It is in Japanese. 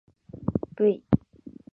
ｖ